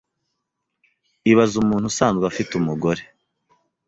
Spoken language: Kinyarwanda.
Ibaze umuntu usanzwe afite umugore